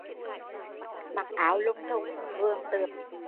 Mặc áo lùng thùng, Vườn tược lùng thùng